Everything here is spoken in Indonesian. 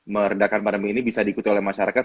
meredakan pandemi ini bisa diikuti oleh masyarakat